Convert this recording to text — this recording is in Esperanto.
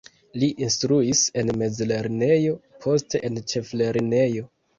Li instruis en mezlernejo, poste en ĉeflernejo.